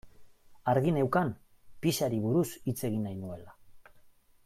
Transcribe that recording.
Argi neukan pixari buruz hitz egin nahi nuela.